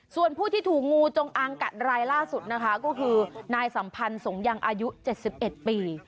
ส่วนผู้ที่ถูกงูจงอางกัดรายล่าสุดนะคะก็คือนายสัมพันธ์สงยังอายุ๗๑ปี